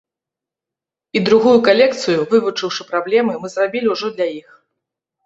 І другую калекцыю, вывучыўшы праблемы, мы зрабілі ўжо для іх.